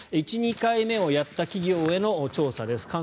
１、２回目をやった企業への調査です。